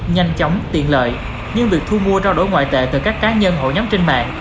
nhanh chóng tiện lợi nhưng việc thu mua trao đổi ngoại tệ từ các cá nhân hội nhóm trên mạng